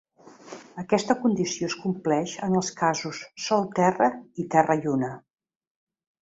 Aquesta condició es compleix en els casos Sol-Terra i Terra-Lluna.